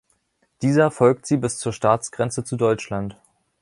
Dieser folgt sie bis zur Staatsgrenze zu Deutschland.